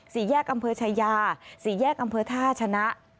ศรีแยกกำเภอะชายาศรีแยกกำเภอะท่าชนะ